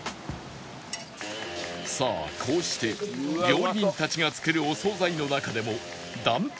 さあこうして料理人たちが作るお惣菜の中でも断トツ人気